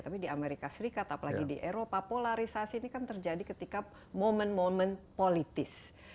tapi di amerika serikat apalagi di eropa polarisasi ini kan terjadi ketika momen momen politis